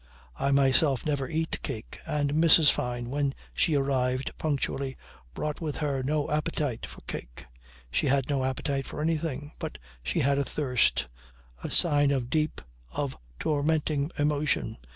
I myself never eat cake, and Mrs. Fyne, when she arrived punctually, brought with her no appetite for cake. She had no appetite for anything. But she had a thirst the sign of deep, of tormenting emotion.